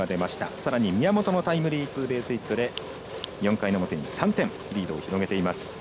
さらに宮本がタイムリーツーベースヒットで４回の表に３点リードを広げています。